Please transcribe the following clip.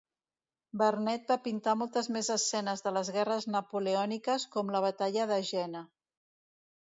Vernet va pintar moltes més escenes de les Guerres Napoleòniques, com la Batalla de Jena.